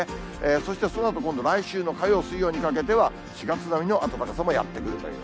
そしてそのあと今度、来週の火曜、水曜にかけては、４月並みの暖かさもやって来るという。